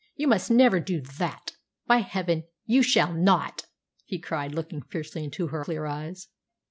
"You must never do that! By Heaven, you shall not!" he cried, looking fiercely into her clear eyes.